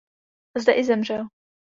Zde i zemřel.